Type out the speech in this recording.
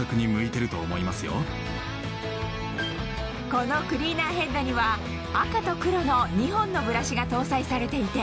このクリーナーヘッドには赤と黒の２本のブラシが搭載されていて